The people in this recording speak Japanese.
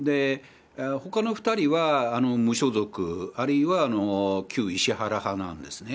ほかの２人は無所属、あるいは旧石原派なんですね。